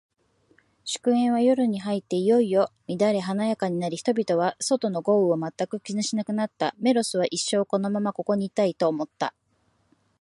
祝宴は、夜に入っていよいよ乱れ華やかになり、人々は、外の豪雨を全く気にしなくなった。メロスは、一生このままここにいたい、と思った。